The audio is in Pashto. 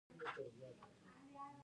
په کوم حالت کې کارکوونکی سفریه اخلي؟